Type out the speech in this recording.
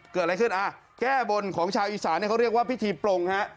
เกิดอะไรขึ้นแก้บนของชาวอีสานเขาเรียกว่าพิธีปลงครับ